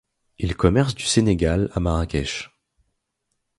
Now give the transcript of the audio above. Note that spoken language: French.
Ils commercent du Sénégal à Marrakech.